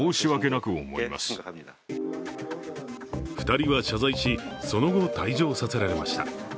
２人は謝罪し、その後、退場させられました。